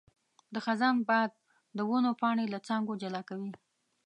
د خزان باد د ونو پاڼې له څانګو جلا کوي.